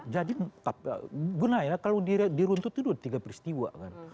jadi gunanya kalau diruntut itu tiga peristiwa kan